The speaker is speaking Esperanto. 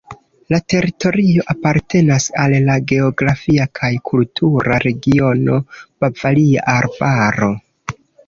La teritorio apartenas al la geografia kaj kultura regiono Bavaria Arbaro.